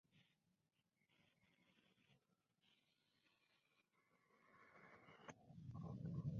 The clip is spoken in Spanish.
Las dominicas cubanas se dedican a la formación y educación cristiana de la juventud.